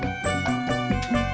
aku mau berbual